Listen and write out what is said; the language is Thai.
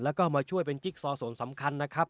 แล้วก็มาช่วยเป็นจิ๊กซอส่วนสำคัญนะครับ